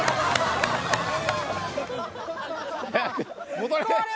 戻れ！